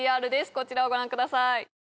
こちらをご覧ください